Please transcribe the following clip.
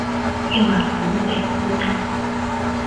夜晚不会孤单